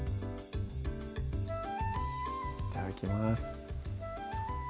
いただきます